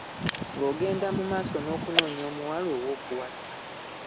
Ng’ogenda mu maaso n’okunoonya omuwala ow’okuwasa.